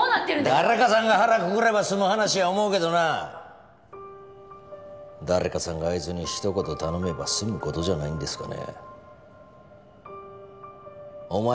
誰かさんが腹くくれば済む話や思うけどな誰かさんがあいつに一言頼めば済むことじゃないんですかね？